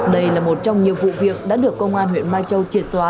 đây là một trong nhiều vụ việc đã được công an huyện mai châu triệt xóa